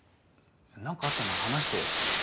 何かあったなら話してよ。